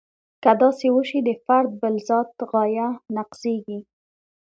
که داسې وشي د فرد بالذات غایه نقضیږي.